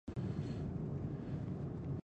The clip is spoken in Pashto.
ایا ستاسو سوله به را نه شي؟